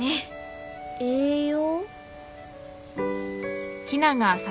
栄養。